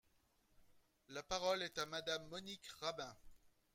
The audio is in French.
La parole est à Madame Monique Rabin.